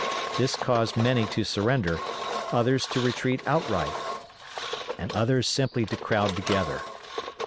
This caused many to surrender, others to retreat outright, and others simply to crowd together.